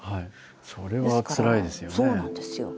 それはつらいですよね。